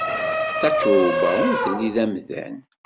Tatoeba ur telli d amdan.